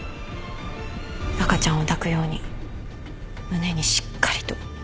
赤ちゃんを抱くように胸にしっかりと。